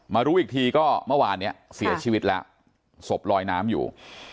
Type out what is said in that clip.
รู้อีกทีก็เมื่อวานเนี่ยเสียชีวิตแล้วศพลอยน้ำอยู่